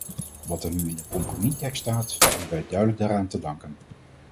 Wat er nu in de compromistekst staat, hebben wij duidelijk daaraan te danken.